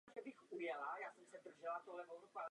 Pracoval pak jako agronom.